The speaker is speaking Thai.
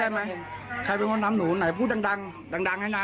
ใครเป็นคนทำหนูไหนพูดดังดังดังดังให้นะ